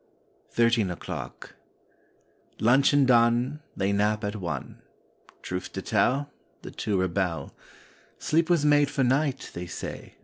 THIRTEEN O'CLOCK L uncheon done, ^ They nap at one; Truth to tell, The two rebel. Sleep was made for night, they say.